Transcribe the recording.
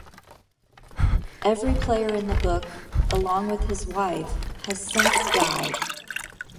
Every player in the book, along with his wife, has since died.